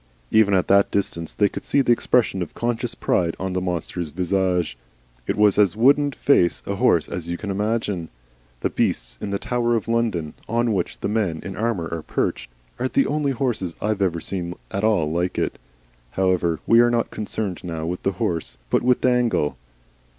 Even at that distance they could see the expression of conscious pride on the monster's visage. It was as wooden faced a horse as you can imagine. The beasts in the Tower of London, on which the men in armour are perched, are the only horses I have ever seen at all like it. However, we are not concerned now with the horse, but with Dangle.